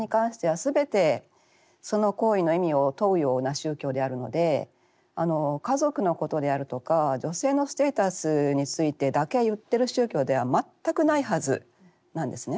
すべてその行為の意味を問うような宗教であるので家族のことであるとか女性のステータスについてだけ言ってる宗教では全くないはずなんですね。